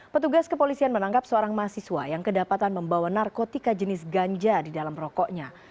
petugas kepolisian menangkap seorang mahasiswa yang kedapatan membawa narkotika jenis ganja di dalam rokoknya